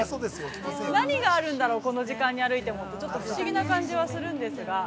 何があるんだろう、この時間に歩いてもって、ちょっと不思議な感じはするんですが。